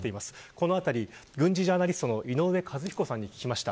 このあたり軍事ジャーナリストの井上和彦さんに聞きました。